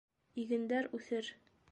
Игендәр үҫер.